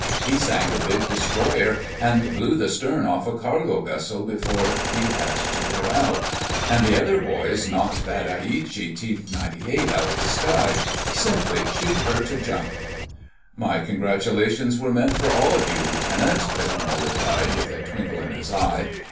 He sank a big destroyer and blew the stern off a cargo vessel before we had to clear out. And the other boys knocked that Aichi T98 out of the sky—simply chewed her to junk!" "My congratulations were meant for all of you, Lieutenant," the colonel replied with a twinkle in his eye.